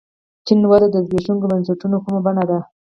چین وده د زبېښونکو بنسټونو کومه بڼه ده.